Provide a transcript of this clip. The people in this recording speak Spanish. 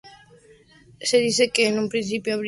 Se dice que en un principio habría recibido apoyo de Fatah.